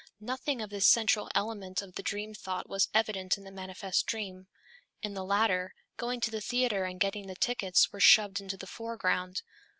Nothing of this central element of the dream thought was evident in the manifest dream. In the latter, going to the theatre and getting the tickets were shoved into the foreground.